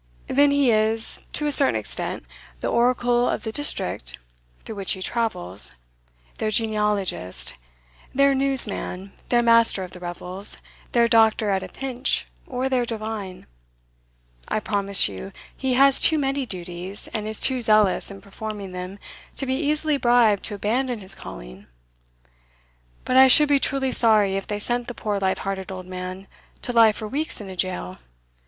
Then he is, to a certain extent, the oracle of the district through which he travels their genealogist, their newsman, their master of the revels, their doctor at a pinch, or their divine; I promise you he has too many duties, and is too zealous in performing them, to be easily bribed to abandon his calling. But I should be truly sorry if they sent the poor light hearted old man to lie for weeks in a jail.